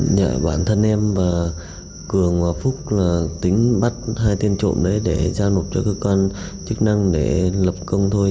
nhờ bản thân em và cường và phúc là tính bắt hai tên trộm đấy để giao nộp cho cơ quan chức năng để lập công thôi